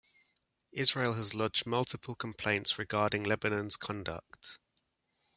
Israel has lodged multiple complaints regarding Lebanon's conduct.